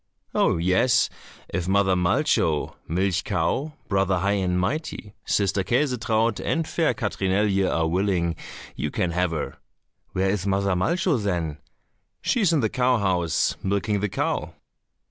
"Oh, yes, if Mother Malcho (Milch cow), Brother High and Mighty, Sister Käsetraut, and fair Katrinelje are willing, you can have her." "Where is Mother Malcho, then?" "She is in the cow house, milking the cow."